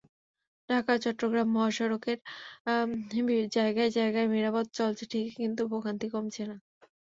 ঢাকা-চট্টগ্রাম মহাসড়কের জায়গায় জায়গায় মেরামত চলছে ঠিকই, কিন্তু ভোগান্তি কমছে না।